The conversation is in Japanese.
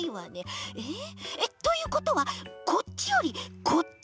えっということはこっちよりこっち？